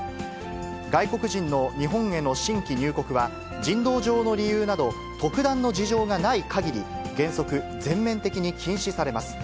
外国人の日本への新規入国は、人道上の理由など特段の事情がないかぎり、原則、全面的に禁止されます。